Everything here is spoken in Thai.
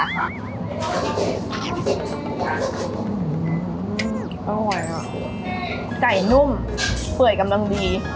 อร่อยค่ะไก่นุ่มเปื่อยกำลังดี